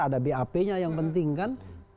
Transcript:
ada bap nya yang penting kan